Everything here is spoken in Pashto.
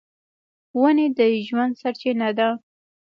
ونې د ژوند سرچینه ده.